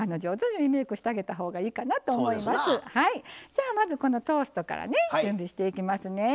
じゃあまずこのトーストからね準備していきますね。